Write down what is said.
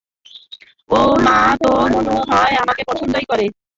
ওর মা তো মনেহয় আমাকে পছন্দই করে।